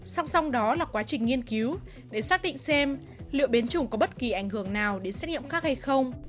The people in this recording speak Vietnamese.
song song đó là quá trình nghiên cứu để xác định xem liệu biến chủng có bất kỳ ảnh hưởng nào đến xét nghiệm khác hay không